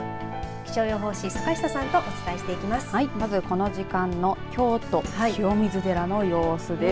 気象予報士、坂下さんとお伝えしていきます。